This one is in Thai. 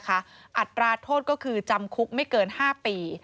อัตราโทษก็คือจำคุกไม่เกิน๕ปี